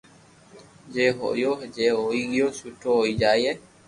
جي ھويو جي ھوئي گيو سٺو ھوئي جائي